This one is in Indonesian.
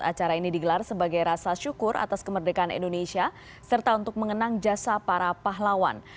acara ini digelar sebagai rasa syukur atas kemerdekaan indonesia serta untuk mengenang jasa para pahlawan